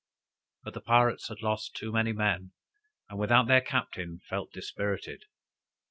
But the pirates had lost too many men; and without their Captain, felt dispirited.